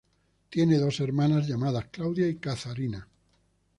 Tiene dos hermanas llamadas Claudia y Katharina.